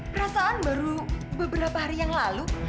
perasaan baru beberapa hari yang lalu